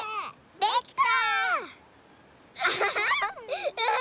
できた！